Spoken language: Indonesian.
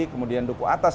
kemudian duku atas